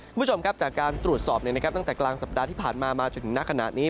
คุณผู้ชมครับจากการตรวจสอบตั้งแต่กลางสัปดาห์ที่ผ่านมามาจนถึงณขณะนี้